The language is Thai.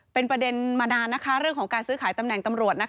เปลี่ยนมาด้านนะคะเรื่องของการซื้อขายตำแหน่งตำรวจ